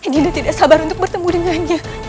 gila tidak sabar untuk bertemu dengannya